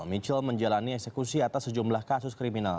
michel menjalani eksekusi atas sejumlah kasus kriminal